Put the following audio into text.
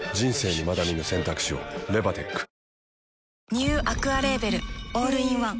ニューアクアレーベルオールインワン